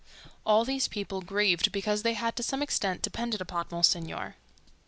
All these people grieved because they had to some extent depended upon Monsignor.